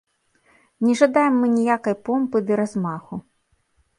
Не жадаем мы ніякай помпы ды размаху.